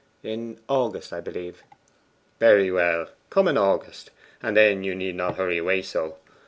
'In August, I believe.' 'Very well; come in August; and then you need not hurry away so.